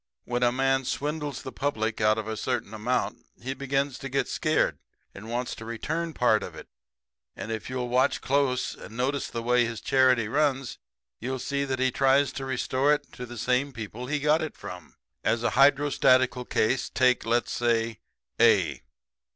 "When a man swindles the public out of a certain amount he begins to get scared and wants to return part of it. And if you'll watch close and notice the way his charity runs you'll see that he tries to restore it to the same people he got it from. As a hydrostatical case, take, let's say, A.